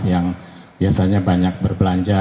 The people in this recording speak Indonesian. yang biasanya banyak berbelanja